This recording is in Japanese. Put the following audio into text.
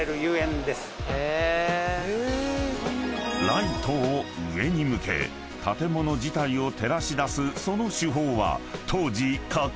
［ライトを上に向け建物自体を照らし出すその手法は］